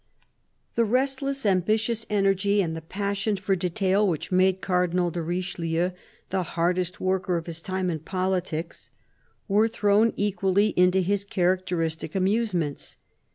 THE restless, ambitious energy and the passion for detail which made Cardinal de Richelieu the hardest worker of his time in politics, were thrown equally into his characteristic amusements.